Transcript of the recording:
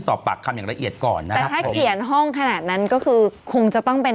สอบปากคำอย่างละเอียดก่อนนะครับแต่ถ้าเขียนห้องขนาดนั้นก็คือคงจะต้องเป็น